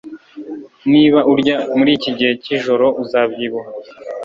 Niba urya muri iki gihe cyijoro uzabyibuha